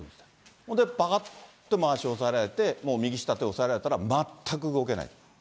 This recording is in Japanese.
それでぱかっとまわしおさえられて、もう右下手押さえられたら、全く動けない。